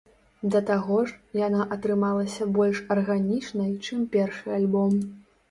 Да таго ж, яна атрымалася больш арганічнай, чым першы альбом.